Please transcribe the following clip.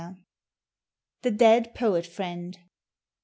THE DEAD POET FRIEXD.